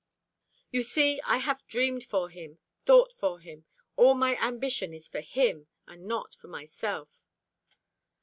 You see I have dreamed for him, thought for him. All my ambition is for him, and not for myself."